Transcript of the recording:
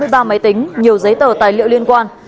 hai mươi ba máy tính nhiều giấy tờ tài liệu liên quan